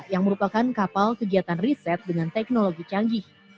yang merupakan kapal kegiatan riset dengan teknologi canggih